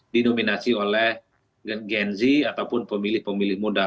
dinominasi oleh gen z ataupun pemilih pemilih muda